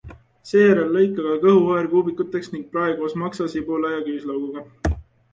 Seejärel lõika ka kõhuäär kuubikuteks ning prae koos maksa, sibula ja küüslauguga.